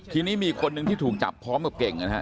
ทีนี้มีคนหนึ่งที่ถูกจับพร้อมกับเก่งนะฮะ